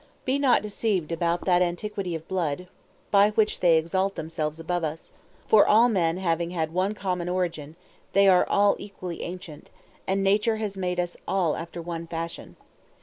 Be not deceived about that antiquity of blood by which they exalt themselves above us; for all men having had one common origin, are all equally ancient, and nature has made us all after one fashion.